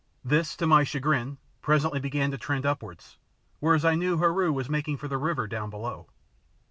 This to my chagrin presently began to trend upwards, whereas I knew Heru was making for the river down below.